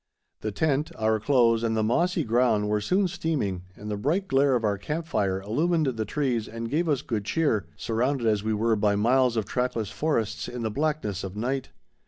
The tent, our clothes, and the mossy ground were soon steaming, and the bright glare of our camp fire illumined the trees and gave us good cheer, surrounded as we were by miles of trackless forests in the blackness of night.